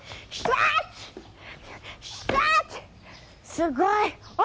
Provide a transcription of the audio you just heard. すごい！あ！